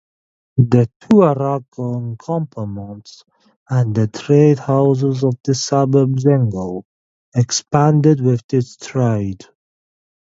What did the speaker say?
The Tuareg encampments and trade houses of the suburb Zengou expanded with this trade.